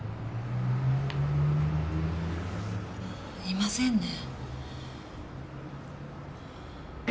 いませんね。